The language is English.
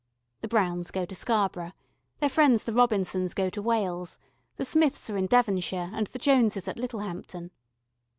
The Browns go to Scarborough, their friends the Robinsons go to Wales, the Smiths are in Devonshire and the Joneses at Littlehampton.